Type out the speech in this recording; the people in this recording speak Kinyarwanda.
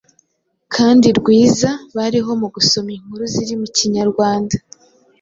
kandi rwiza bariho mu gusoma inkuru ziri mu Kinyarwanda